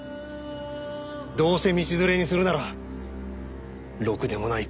どうせ道連れにするならろくでもない